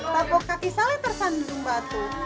tampuk kaki sali tersandung batu